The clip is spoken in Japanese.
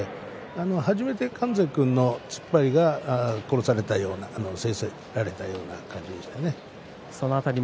初めて神崎君の突っ張りが殺されたような制されたような感じでしたね。